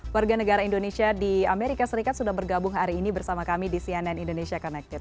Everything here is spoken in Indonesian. warga negara indonesia di amerika serikat sudah bergabung hari ini bersama kami di cnn indonesia connected